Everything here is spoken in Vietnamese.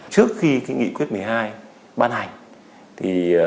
trước khi nghị quyết một mươi hai